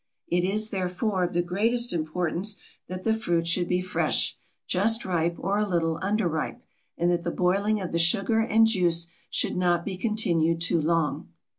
It is, therefore, of the greatest importance that the fruit should be fresh, just ripe or a little underripe, and that the boiling of the sugar and juice should not be continued too long.